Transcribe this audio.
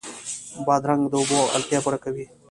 بادرنګ د اوبو اړتیا پوره کوي.